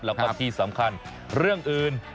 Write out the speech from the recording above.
แล้วก็ที่สำคัญเรื่องอื่น